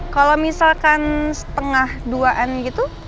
kalo misalkan setengah duaan gitu